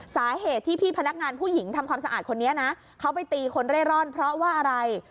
สาเหตุที่พี่พนักงานผู้หญิงทำความสะอาดคนนี้นะเขาไปตีคนเร่ร่อนเพราะว่าอะไร